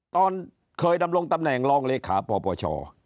ตอนเคยดำรงตำแหน่งรลปช